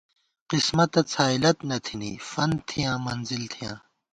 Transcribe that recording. قِسمَتہ څھائیلَت نہ تھنی ، فنت تھِیاں منزِل تھِیاں